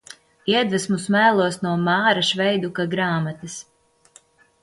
Iedvesmu smēlos no Māra Šveiduka grāmatas.